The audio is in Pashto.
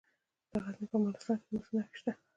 د غزني په مالستان کې د مسو نښې شته.